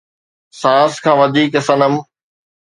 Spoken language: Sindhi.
سانس کان وڌيڪ صنم